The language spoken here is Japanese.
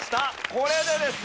これでですね